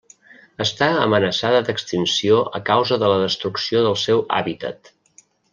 Està amenaçada d'extinció a causa de la destrucció del seu hàbitat.